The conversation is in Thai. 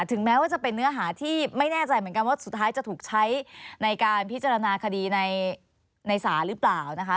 ถึงแม้ว่าจะเป็นเนื้อหาที่ไม่แน่ใจเหมือนกันว่าสุดท้ายจะถูกใช้ในการพิจารณาคดีในศาลหรือเปล่านะคะ